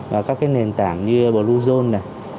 và các cái nền tảng như bluezone này